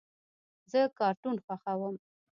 زه کارټون خوښوم.